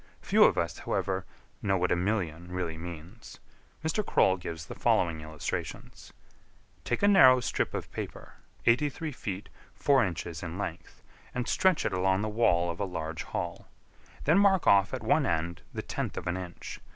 Few of us, however, know what a million really means: Mr. Croll gives the following illustration: Take a narrow strip of paper, eighty three feet four inches in length, and stretch it along the wall of a large hall; then mark off at one end the tenth of an inch.